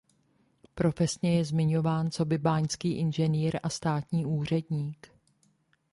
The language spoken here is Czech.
Profesně je zmiňován coby báňský inženýr a státní úředník.